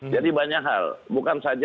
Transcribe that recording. jadi banyak hal bukan saja